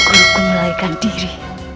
aku melahirkan diri